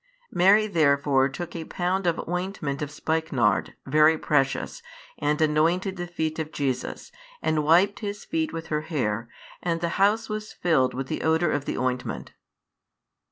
Mary therefore took a pound of ointment of spikenard, very precious, and anointed the feet of Jesus, and wiped His feet with her hair: and the house was filled with the odour of the ointment.